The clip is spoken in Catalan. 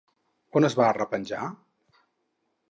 On es va arrepenjar?